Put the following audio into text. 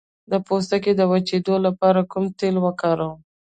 د پوستکي د وچیدو لپاره کوم تېل وکاروم؟